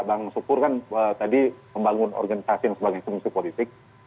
bang sukur kan tadi membangun organisasi yang sebagai komisi politik